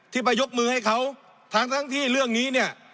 ไปยกมือให้เขาทั้งทั้งที่เรื่องนี้เนี่ย